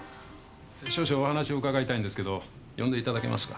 少々お話を伺いたいんですけど呼んで頂けますか？